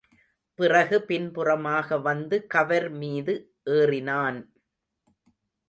பிறகு பின்புறமாக வந்து, கவர் மீது ஏறினான்.